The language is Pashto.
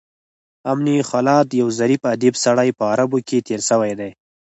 ابن خلاد یو ظریف ادیب سړی په عربو کښي تېر سوى دﺉ.